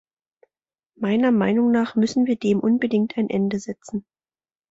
Meiner Meinung nach müssen wir dem unbedingt ein Ende setzen.